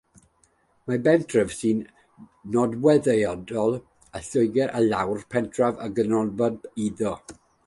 Mae'n bentref sy'n nodweddiadol o Loegr, â llawr pentref yn ganolbwynt iddo.